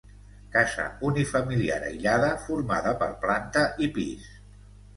Casa unifamiliar aïllada formada per planta i pis.